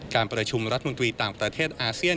การประชุมรัฐมนตรีต่างประเทศอาเซียน